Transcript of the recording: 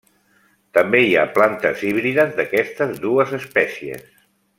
També hi ha plantes híbrides d'aquestes dues espècies.